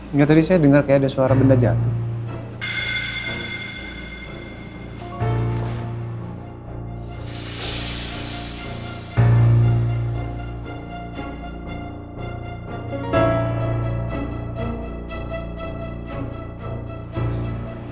hingga tadi saya dengar kayak ada suara benda jatuh